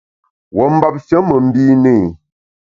Wuo mbapshe me mbine i.